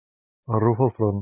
Arrufa el front.